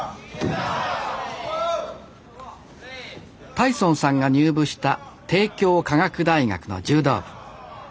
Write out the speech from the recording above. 太尊さんが入部した帝京科学大学の柔道部。